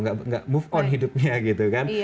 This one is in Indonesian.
nggak move on hidupnya gitu kan